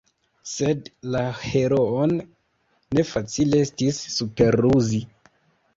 Sed la heroon ne facile estis superruzi.